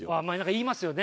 言いますよね。